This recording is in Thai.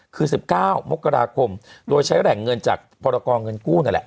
คือ๑๙มกราคมโดยใช้แหล่งเงินจากพรกรเงินกู้นั่นแหละ